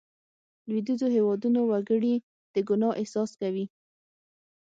لوېدیځو هېوادونو وګړي د ګناه احساس کوي.